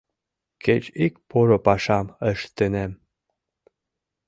Кеч ик поро пашам ыштынем.